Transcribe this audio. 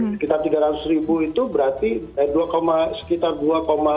sekitar tiga ratus ribu itu berarti dua dua ratus lima puluh ribu